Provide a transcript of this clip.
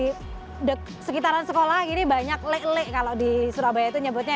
namun kalau di sekitaran sekolah ini banyak lele kalau di surabaya itu nyebutnya